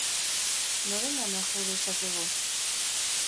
Norengana jo dezakegu?